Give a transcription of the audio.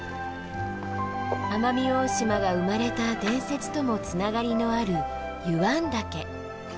奄美大島が生まれた伝説ともつながりのある湯湾岳。